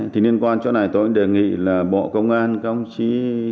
thì liên quan chỗ này tôi đề nghị là bộ công an công chí